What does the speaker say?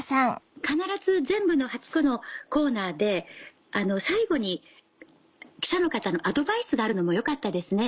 必ず全部の８個のコーナーで最後に記者の方のアドバイスがあるのもよかったですね。